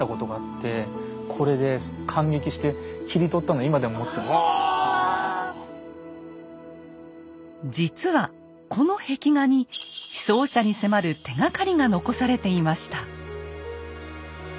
僕小学校の時実はこの壁画に被葬者にせまる手がかりが残されていました。